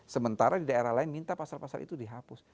sementara di daerah lain minta pasal pasal itu dihapus